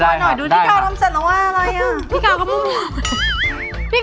แล้วนี้